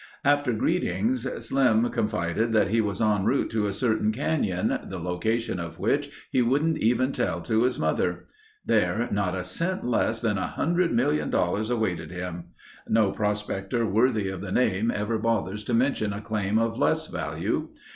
After greetings Slim confided that he was en route to a certain canyon, the location of which he wouldn't even tell to his mother. There, not a cent less than $100,000,000 awaited him. No prospector worthy of the name ever bothers to mention a claim of less value.